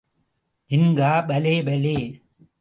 ஜின்கா, பலே பலே!